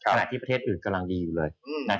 ขณะที่ประเทศอื่นกำลังดีอยู่เลย